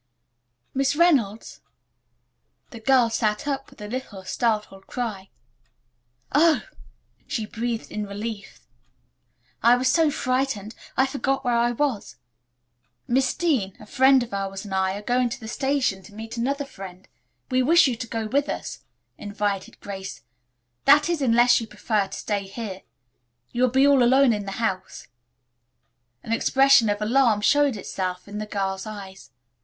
"Miss Reynolds." The girl sat up with a little, startled cry. "Oh," she breathed, in relief. "I was so frightened. I forgot where I was." "Miss Dean, a friend of ours and I are going to the station to meet another friend. We wish you to go with us," invited Grace. "That is, unless you prefer to stay here. You will be all alone in the house." An expression of alarm showed itself in the girl's eyes.